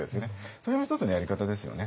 それも一つのやり方ですよね。